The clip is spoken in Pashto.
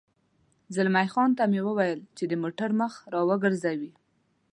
زلمی خان ته مې وویل چې د موټر مخ را وګرځوي.